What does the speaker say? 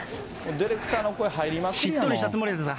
ディレクターの声、入りますやん、